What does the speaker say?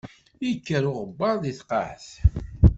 Yekker uɣebbaṛ di tqaɛet.